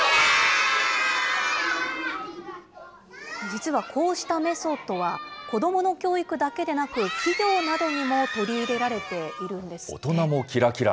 実はこうしたメソッドは子どもの教育だけでなく、企業などにも取り入れられているんです。